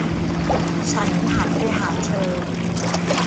ฉันหันไปหาเธอ